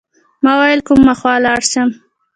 ما ویل کومه خوا لاړ شم.